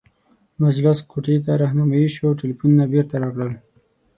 مجلس کوټې ته رهنمايي شوو او ټلفونونه یې بیرته راکړل.